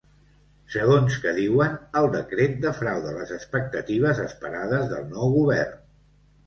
Segons que diuen, el decret defrauda les expectatives esperades del nou govern.